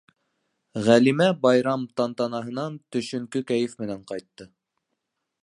Ғәлимә байрам тантанаһынан төшөнкө кәйеф менән ҡайтты.